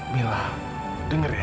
mila denger ya